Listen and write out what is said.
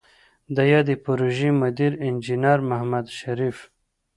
د یادې پروژې مدیر انجنیر محمد شریف